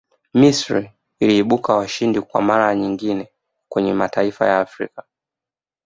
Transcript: misri iliibuka washindi kwa mara nyingine kwenye mataifa ya afrika